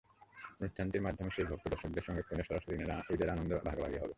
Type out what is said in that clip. অনুষ্ঠানটির মাধ্যমে সেই ভক্ত, দর্শকের সঙ্গে ফোনে সরাসরি ঈদের আনন্দ ভাগাভাগি হবে।